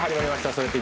「それって！？